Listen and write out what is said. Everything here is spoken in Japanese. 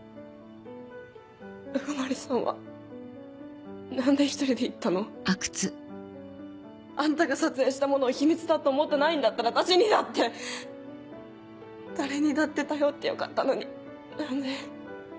鵜久森さんは何で一人で行ったの？あんたが撮影したものを秘密だと思ってないんだったら私にだって誰にだって頼ってよかったのに何で？